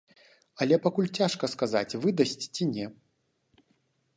Але пакуль цяжка сказаць, выдасць ці не.